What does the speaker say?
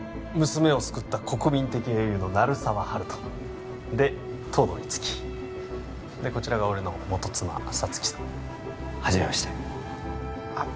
娘を救った国民的英雄の鳴沢温人で東堂樹生でこちらが俺の元妻沙月さんはじめましてあっ